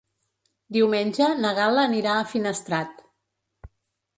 Diumenge na Gal·la anirà a Finestrat.